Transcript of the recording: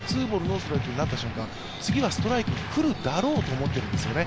ツーボール・ノーストライクになた瞬間、次はストライクが来るだろうと思っているんですね。